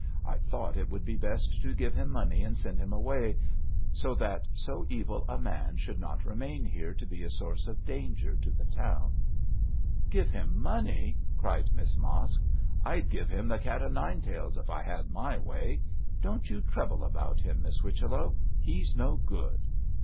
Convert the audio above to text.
I thought it would be best to give him money and send him away, so that so evil a man should not remain here to be a source of danger to the town.' 'Give him money!' cried Miss Mosk. 'I'd give him the cat o nine tails if I had my way. Don't you trouble about him, Miss Whichello; he's no good.'